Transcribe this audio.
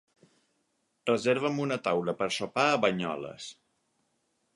Reserva'm una taula per sopar a Banyoles.